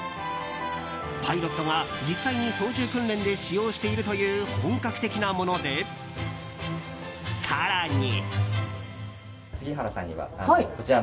パイロットが実際に操縦訓練で使用しているという本格的なもので、更に。